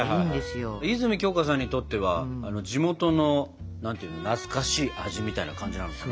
泉鏡花さんにとっては地元の懐かしい味みたいな感じなのかな。